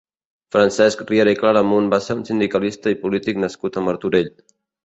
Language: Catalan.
Francesc Riera i Claramunt va ser un sindicalista i polític nascut a Martorell.